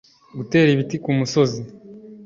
gutera ibiti ku misozi